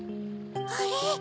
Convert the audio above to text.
あれ？